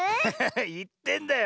いってんだよ。